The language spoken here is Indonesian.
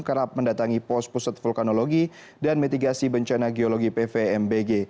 kerap mendatangi pos pusat vulkanologi dan mitigasi bencana geologi pvmbg